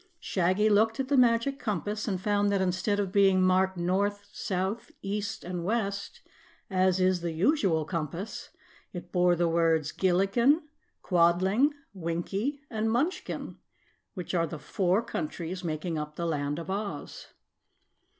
Shaggy looked at the Magic Compass and found that instead of being marked, North, South, East, and West as is the usual compass, it bore the words, Gillikin, Quadling, Winkie, and Munchkin, which are the four countries making up the Land of Oz.